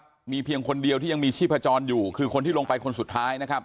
มีเพียงคนเดียวที่ยังมีชีพจรอยู่คือคนที่ลงไปคนสุดท้ายนะครับ